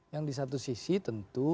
yang di satu sisi tentu